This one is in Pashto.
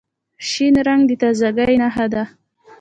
شین رنګ د تازګۍ نښه ده.